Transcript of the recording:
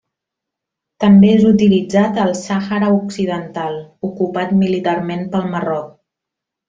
També és utilitzat al Sàhara Occidental, ocupat militarment pel Marroc.